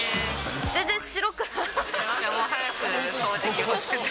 全然白くない。